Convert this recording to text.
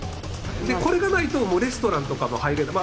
これがないとレストランとかも入れない。